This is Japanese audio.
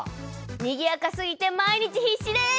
にぎやかすぎて毎日必死です！